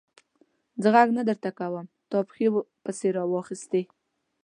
زه ږغ نه درته کوم؛ تا پښې پسې را واخيستې.